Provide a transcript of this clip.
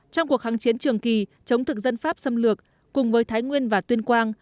trong cuộc kháng chiến trường kỳ chống thực dân pháp xâm lược cùng với thái nguyên và tuyên quang